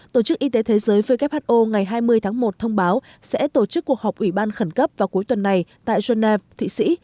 tổ chức y tế thế giới who ngày hai mươi tháng một thông báo sẽ tổ chức cuộc họp ủy ban khẩn cấp vào cuối tuần này tại geneva thụy sĩ